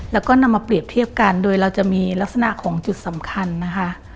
แล้วก็นำมาเปรียบเทียบกันโดยเราจะมีลักษณะของจุดสำคัญนะคะ